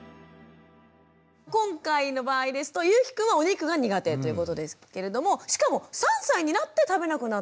今回の場合ですとゆうきくんはお肉が苦手ということですけれどもしかも３歳になって食べなくなったというケースでしたが。